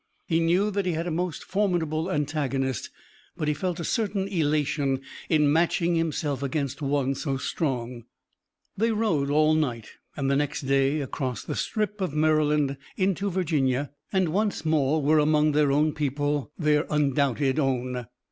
He knew that he had a most formidable antagonist, but he felt a certain elation in matching himself against one so strong. They rode all night and the next day across the strip of Maryland into Virginia and once more were among their own people, their undoubted own.